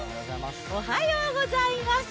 おはようございます。